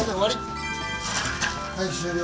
はい終了